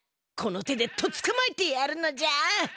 この手でとっつかまえてやるのじゃ！